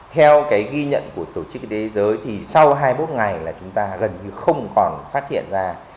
theo cái ghi nhận của tổ chức y tế giới thì sau hai mươi bốn ngày là chúng ta gần như không còn phát hiện ra